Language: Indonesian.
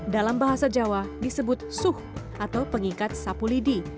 dalam bahasa jawa disebut suh atau pengikat sapu lidi